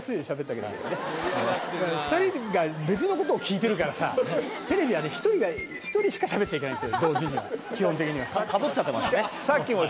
だから２人が別のことを聞いてるからさ、テレビはね、１人しかしゃべっちゃいけないんですよ、同時には、基本的には。かぶっちゃってましたね。